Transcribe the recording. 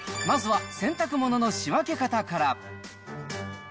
まずは洗濯物の仕分け方から。